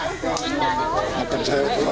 maka saya pernah salah berucap